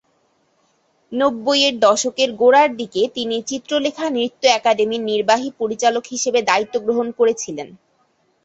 নব্বইয়ের দশকের গোড়ার দিকে, তিনি চিত্রলেখা নৃত্য একাডেমির নির্বাহী পরিচালক হিসাবে দায়িত্ব গ্রহণ করেছিলেন।